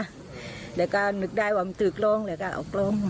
เดี๋ยวก็นึกได้ว่ามันถือกลงเดี๋ยวก็ออกลง